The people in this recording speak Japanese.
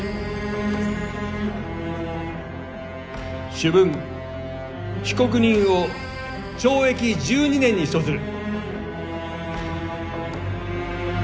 主文被告人を懲役１２年に処する。